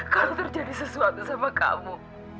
kalau terjadi sesuatu sama kamu